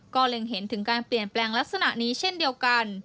ก็เล็งเห็นถึงการเปลี่ยนแปลงลักษณะนี้เช่นเดียวกัน